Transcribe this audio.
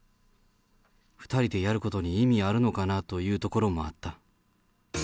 ２人でやることに意味あるのかなというところもあった。